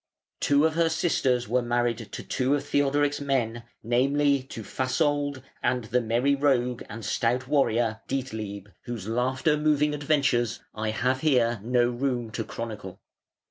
Two of her sisters were married to two of Theodoric's men, namely, to Fasold, and the merry rogue and stout warrior, Dietleib, whose laughter moving adventures I have here no room to chronicle.